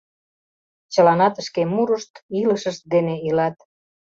Чыланат шке мурышт, илышышт дене илат...